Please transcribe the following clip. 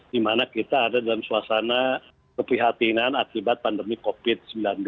di mana kita ada dalam suasana keprihatinan akibat pandemi covid sembilan belas